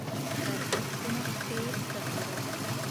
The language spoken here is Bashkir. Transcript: Әрһеҙ ҡунаҡ кәйефте ҡырыр.